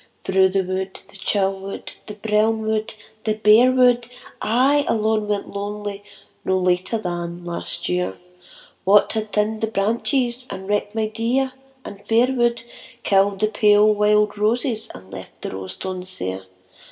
Through the wood, the chill wood, the brown wood, the bare wood, I alone went lonely no later than last year, What had thinned the branches, and wrecked my dear and fair wood, Killed the pale wild roses and left the rose thorns sere